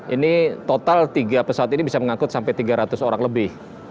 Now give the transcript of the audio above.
ini total tiga pesawat ini bisa mengangkut sampai tiga ratus orang lebih